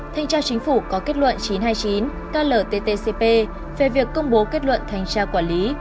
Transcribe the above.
thanh tra chính phủ có kết luận chín trăm hai mươi chín klttcp về việc công bố kết luận thanh tra quản lý